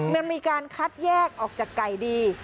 มันมีการคัดแยกออกจากไก่ดี